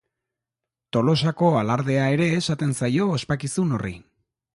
Tolosako Alardea ere esaten zaio ospakizun horri.